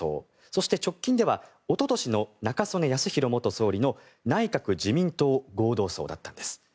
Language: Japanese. そして、直近では一昨年の中曽根康弘元総理の内閣・自民党合同葬だったんです。